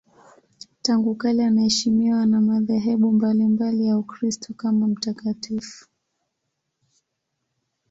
Tangu kale anaheshimiwa na madhehebu mbalimbali ya Ukristo kama mtakatifu.